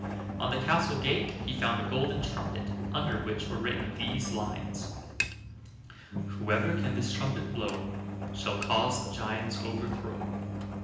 On the castle gate he found a golden trumpet, under which were written these lines: "Whoever can this trumpet blow Shall cause the giant's overthrow."